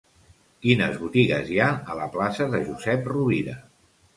Quines botigues hi ha a la plaça de Josep Rovira?